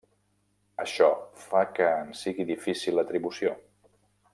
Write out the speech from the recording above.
Això fa que en sigui difícil l'atribució.